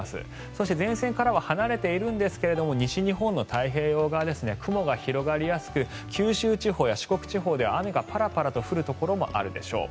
そして、前線からは離れているんですが西日本の太平洋側は雲が広がりやすく九州地方や四国地方では雨がパラパラと降るところもあるでしょう。